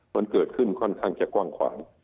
มันเกิดขึ้นค่อนข้างจะกว้างขวาง